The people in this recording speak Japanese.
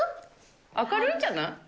明るいんじゃない？